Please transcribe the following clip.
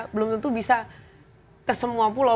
belum tentu bisa ke semua pulau